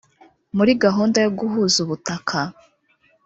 muri gahunda yo guhuza ubutaka